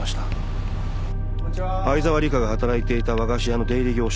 相沢里香が働いていた和菓子屋の出入り業者